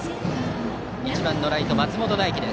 １番のライト、松本大輝。